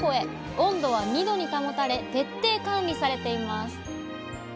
温度は２℃に保たれ徹底管理されています。